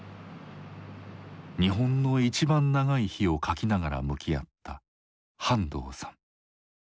「日本のいちばん長い日」を書きながら向き合った半藤さん。